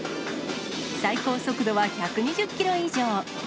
最高速度は１２０キロ以上。